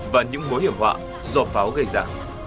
và những mối hiểm họa do pháo gây ra